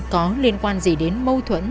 có liên quan gì đến mâu thuẫn